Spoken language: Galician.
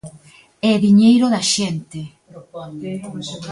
É diñeiro da xente.